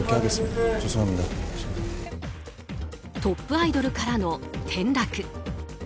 トップアイドルからの転落。